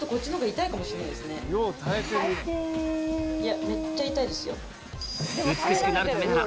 いやめっちゃ痛いですよ。